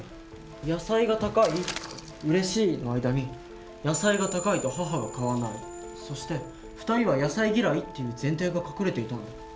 「野菜が高い」と「うれしい」の間に「野菜が高いと母は買わない」そして「２人は野菜嫌い」っていう前提が隠れていたんだ。